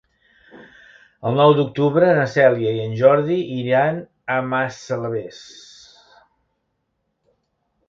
El nou d'octubre na Cèlia i en Jordi iran a Massalavés.